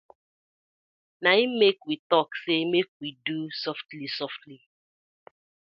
Na im mek we tok say mek we do sofly sofly.